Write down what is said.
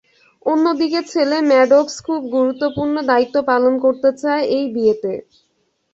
অন্যদিকে ছেলে ম্যাডক্স খুব গুরুত্বপূর্ণ দায়িত্ব পালন করতে চায় এই বিয়েতে।